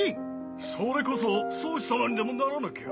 それこそ宗師様にでもならなきゃ。